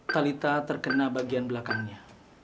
talita terkena bagian belakangnya